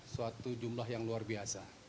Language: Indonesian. suatu jumlah yang luar biasa